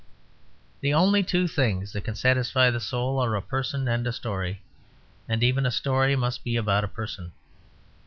The only two things that can satisfy the soul are a person and a story; and even a story must be about a person.